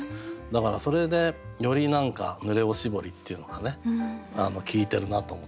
だからそれでより「濡れおしぼり」っていうのが効いてるなと思ってね。